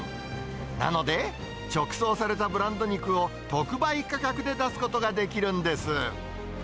なので、直送されたブランド肉を特売価格で出すことができるんです。